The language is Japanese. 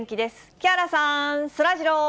木原さん、そらジロー。